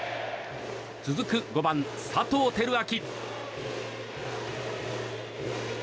続く５番、佐藤輝明。